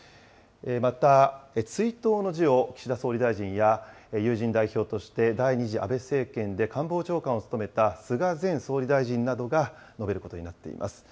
また追悼の辞を岸田総理大臣や、友人代表として、第２次安倍政権で官房長官を務めた菅前総理大臣などが述べることになっています。